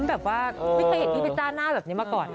ไม่เคยเห็นพี่บัจจ้าหน้าเอาแบบนี้มาก่อน